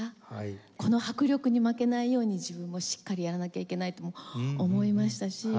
この迫力に負けないように自分もしっかりやらなきゃいけないとも思いましたし